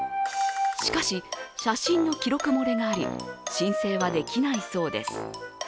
しかし、写真の記録漏れがあり申請はできないそうです。